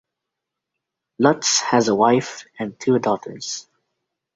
Lutz has a wife and two daughters.